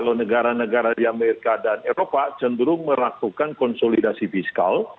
kalau negara negara di amerika dan eropa cenderung melakukan konsolidasi fiskal